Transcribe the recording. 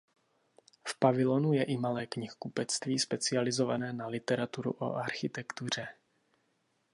V pavilonu je i malé knihkupectví specializované na literaturu o architektuře.